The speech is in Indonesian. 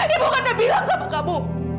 ibu kan udah bilang sama kamu